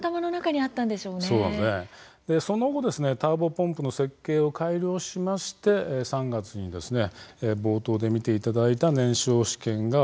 その後ターボポンプの設計を改良しまして３月に冒頭で見ていただいた燃焼試験が行われました。